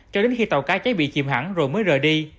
cho đến khi tàu cá cháy bị chìm hẳn rồi mới rời đi